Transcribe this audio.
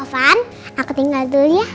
aku tinggal dulu ya